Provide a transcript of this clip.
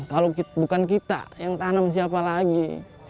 kalau bukan kita yang tanam siapa lagi